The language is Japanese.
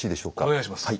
お願いします。